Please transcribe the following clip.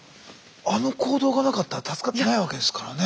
あの行動がなかったら助かってないわけですからね。